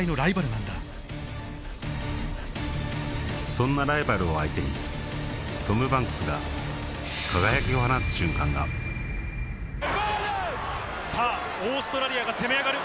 そんなライバルを相手にトム・バンクスがさぁオーストラリアが攻め上がる。